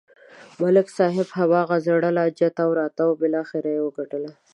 ملک صاحب هماغه زړه لانجه تاووله راتاووله بلاخره و یې گټله.